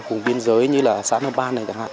vùng biên giới như là xã nơ ban này đặc hạn